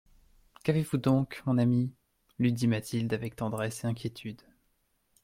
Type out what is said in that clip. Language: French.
Qu'avez-vous donc mon ami ? lui dit Mathilde avec tendresse et inquiétude.